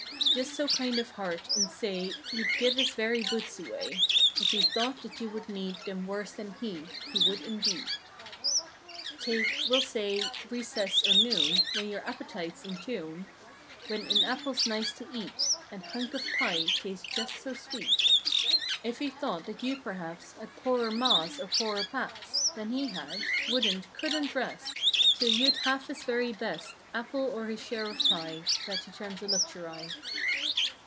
Just so kind of heart, and say. He'd give his very boots away If he thought that you would need Them worse than he. He would indeed. Take, we'll say, recess or noon. When your appetite's in tune; When an apple's nice to eat And hunk of pie tastes just so sweet: If he thought that you perhaps Had poorer mas or poorer paps Than he had; wouldn't, couldn't rest 'Till you'd half his very best Apple or his share of pie— That he termed a luxury.